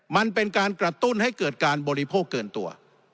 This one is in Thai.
มันเป็นการกระตุ้นให้เกิดการบริโภคเกินตัว